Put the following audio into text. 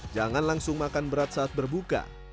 jangan langsung makan berat saat berbuka